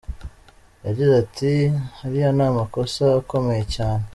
Yagize ati”Ariya ni amakosa akomeye cyane.